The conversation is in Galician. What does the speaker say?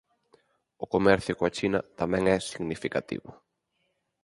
O comercio coa China tamén é significativo.